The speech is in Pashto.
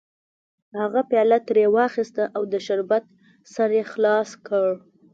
هغه پیاله ترې واخیسته او د شربت سر یې خلاص کړ